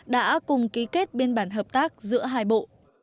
đã cùng ký kết biên bản hợp tác giữa hai bộ